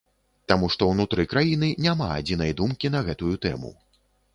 Таму што ўнутры краіны няма адзінай думкі на гэтую тэму.